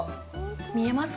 見えますか？